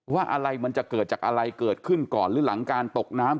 ว่าอะไรมันจะเกิดจากอะไรเกิดขึ้นก่อนหรือหลังการตกน้ำ